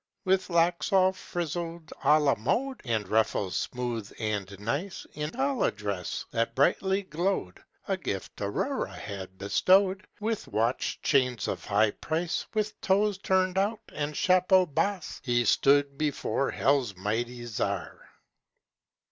With locks all frizzled a la mode, And ruffles smooth and nice, In gala dress, that brightly glowed (A gift Aurora had bestowed), With watch chains of high price, With toes turned out, and chapeau bas, He stood before hell's mighty czar.